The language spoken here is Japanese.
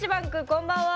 こんばんは。